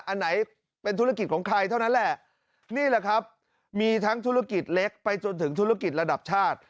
อันไหนเป็นธุรกิจของใครเท่านั้นแหละนี่แหละครับมีทั้งธุรกิจเล็กไปจนถึงธุรกิจระดับชาติ